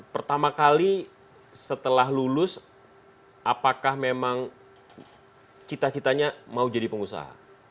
pertama kali setelah lulus apakah memang cita citanya mau jadi pengusaha